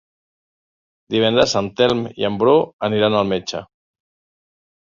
Divendres en Telm i en Bru aniran al metge.